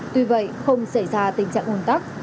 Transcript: tuy vậy không xảy ra tình trạng ôn tắc